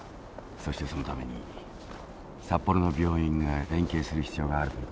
そしてそのために札幌の病院が連携する必要があるということも。